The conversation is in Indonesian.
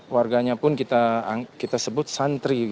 warganya pun kita sebut santri